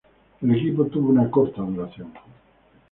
El equipo tuvo una corta duración.